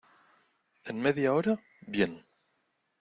¿ en media hora? bien.